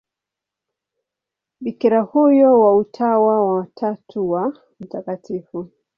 Bikira huyo wa Utawa wa Tatu wa Mt.